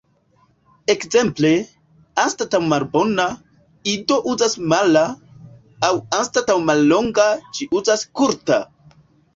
Ekzemple, anstataŭ "malbona", Ido uzas "mala", aŭ anstataŭ "mallonga" ĝi uzas "kurta".